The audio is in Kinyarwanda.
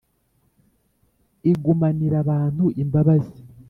igumanira abantu imbabazi